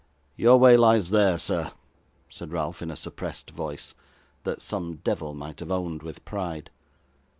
'Your way lies there, sir,' said Ralph, in a suppressed voice, that some devil might have owned with pride.